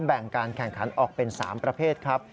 แบ่งการแข่งขันออกเป็น๓ประเภทครับ